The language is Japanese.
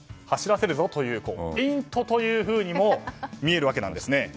走らせるぞ？というフェイントというふうにも見えるわけなんです。